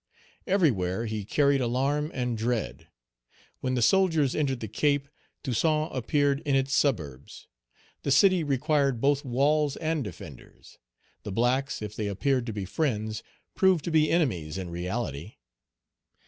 Everywhere he carried alarm and dread. When the soldiers entered the Cape, Toussaint appeared in its suburbs. The city required both walls and defenders. The blacks, if they appeared to be friends, proved to be enemies in reality.